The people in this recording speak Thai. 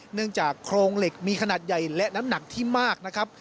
เนื่องจากโครงเหล็กมีขนาดใหญ่และน้ำหนักที่มากนะครับ